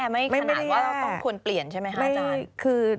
ไม่ขนาดว่าเราต้องควรเปลี่ยนใช่ไหมคะอาจารย์